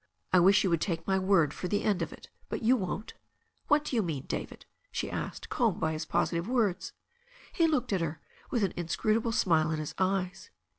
I wish you would take my; word for the end of it, but you won't." "What do you mean, David?" she asked, calmed by his positive words. He looked at her with an inscrutable smile in his eyes.